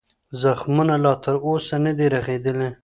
زخمونه لا تر اوسه نه دي رغېدلي.